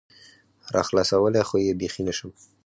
راخلاصولى خو يې بيخي نشم